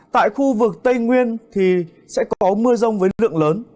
tại khu vực tây nguyên thì sẽ có mưa rông với lượng lớn